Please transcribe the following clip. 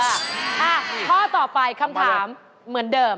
ข้อต่อไปคำถามเหมือนเดิม